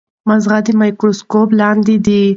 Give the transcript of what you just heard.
مغز د مایکروسکوپ لاندې دی.